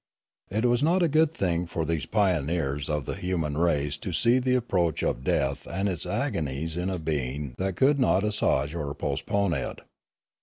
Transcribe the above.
It was not a good thing for these pioneers of the human race to see the approach of death and its agonies in a being that 254 Limanora could not assuage or postpone it.